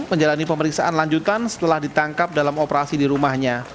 menjalani pemeriksaan lanjutan setelah ditangkap dalam operasi di rumahnya